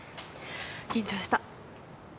緊張した。